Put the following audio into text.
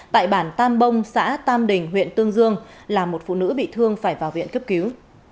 tại bản tam bông xã tam đình huyện tương dương là một phụ nữ bị thương phải vào viện cấp cứu